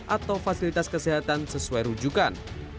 atau fasilitas kesehatan sesuai rujukan